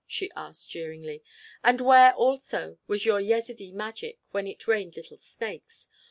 she asked jeeringly. "And where, also, was your Yezidee magic when it rained little snakes?